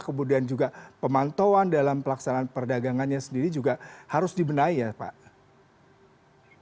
kemudian juga pemantauan dalam pelaksanaan perdagangannya sendiri juga harus dibenahi ya pak